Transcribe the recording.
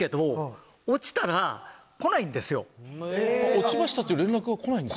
落ちましたって連絡は来ないんですか？